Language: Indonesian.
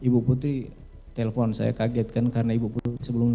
ibu putri telpon saya kaget kan karena ibu putri sebelumnya